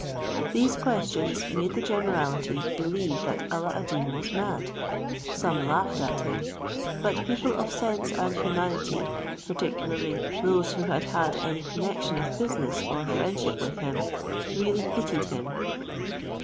These questions made the generality believe that Alla ad Deen was mad. Some laughed at him, but people of sense and humanity, particularly those who had had any connection of business or friendship with him, really pitied him.